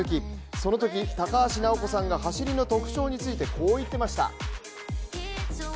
そのとき、高橋尚子さんが走りの特徴について、こう言っていました。